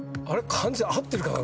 漢字合ってるかな？